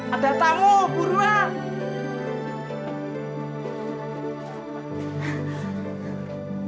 ada tamu buruan